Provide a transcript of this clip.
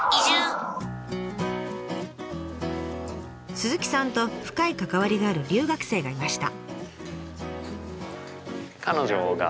鈴木さんと深い関わりがある留学生がいました。